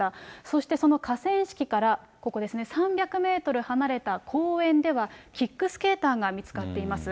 そしてその河川敷からここですね、３００メートル離れた公園では、キックスケーターが見つかっています。